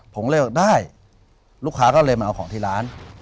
ผมเลยบอกได้ลูกค้าก็เลยมาเอาของที่ร้าน